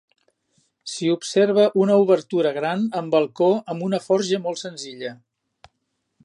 S'hi observa una obertura gran amb balcó amb una forja molt senzilla.